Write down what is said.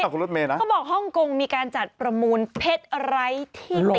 มึงบอกห้องคงมีการจัดประมูลเท็จไรที่ติ